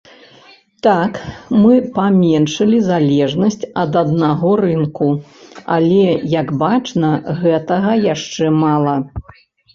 Так, мы паменшылі залежнасць ад аднаго рынку, але, як бачна, гэтага яшчэ мала.